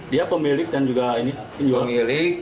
dia pemilik dan juga ini